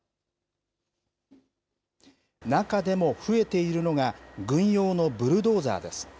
中でも増えているのが、軍用のブルドーザーです。